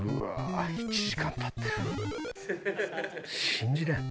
信じられん。